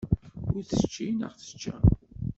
Ur tečči neɣ tečča?